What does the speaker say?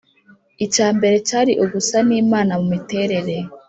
icyambere cyari ugusa n’imana mu miterere